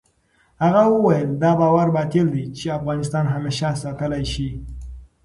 هغه وویل، دا باور باطل دی چې افغانستان همېشه ساتلای شي.